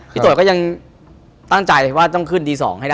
พี่ต่อยก็ยังตั้งใจว่าต้องขึ้นที๒ให้ได้